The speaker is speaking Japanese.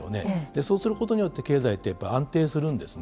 そうすることによって経済ってやっぱり安定するんですね。